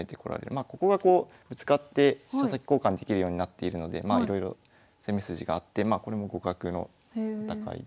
まあここがこうぶつかって飛車先交換できるようになっているのでいろいろ攻め筋があってこれも互角の戦いですね。